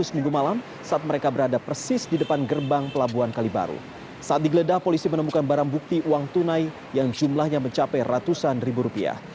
saat digeledah polisi menemukan barang bukti uang tunai yang jumlahnya mencapai ratusan ribu rupiah